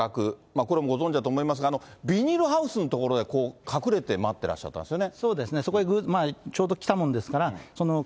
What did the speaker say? これ、ご存じだと思いますが、ビニールハウスの所で隠れて待ってらっしゃったんですよね。